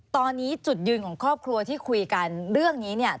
ตอนนี้จุดยืนของครอบครัวที่คุยกันเรื่องนี้เนี่ย